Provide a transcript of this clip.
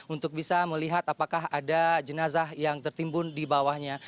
untuk bisa melihat apakah ada jenazah yang tertimbun di bawahnya